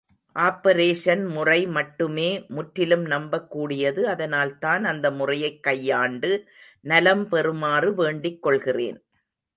Operation முறை மட்டுமே முற்றிலும் நம்பக்கூடியது, அதனால்தான் அந்த முறையைக் கையாண்டு நலம் பெறுமாறு வேண்டிக் கொள்கிறேன்.